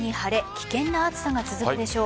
危険な暑さが続くでしょう。